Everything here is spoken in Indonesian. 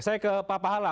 saya ke pak pahala